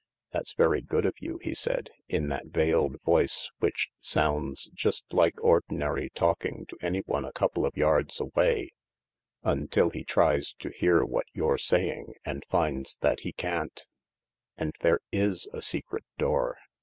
" That's very go©d of you>" he said, in that veiled voice which sounds just like ordinary talking to anyone a couple of yards away until he tries to hear what you're saying, and finds that he can't. " And there is a secret door.